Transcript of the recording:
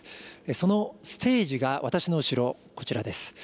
そのステージが私の後ろ、こちらです。